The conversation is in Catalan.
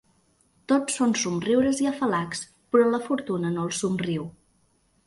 Tot són somriures i afalacs, però la fortuna no els somriu.